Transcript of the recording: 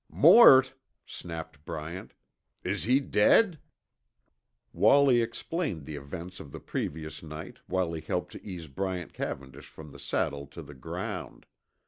"Mort?" snapped Bryant. "Is he dead?" Wallie explained the events of the previous night while he helped to ease Bryant Cavendish from the saddle to the ground.